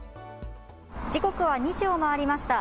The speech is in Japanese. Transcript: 時刻は２時を回りました。